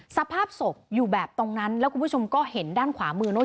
สภาพศพอยู่แบบตรงนั้นแล้วคุณผู้ชมก็เห็นด้านขวามือเนอะ